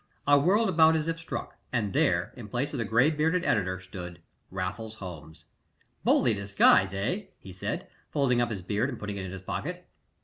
I whirled about as if struck, and there, in place of the gray bearded editor, stood Raffles Holmes. "Bully disguise, eh!" he said, folding up his beard and putting it in his pocket.